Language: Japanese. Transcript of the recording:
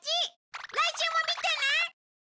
来週も見てね！